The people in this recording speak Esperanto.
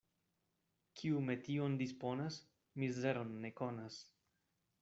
Kiu metion disponas, mizeron ne konas.